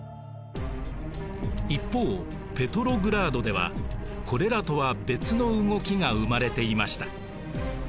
一方ペトログラードではこれらとは別の動きが生まれていました。